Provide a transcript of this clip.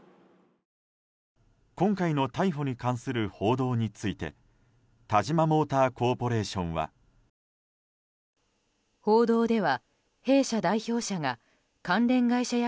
今回の逮捕に関する報道についてタジマモーターコーポレーションは。